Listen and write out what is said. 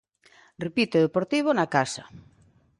Repite o Deportivo na casa.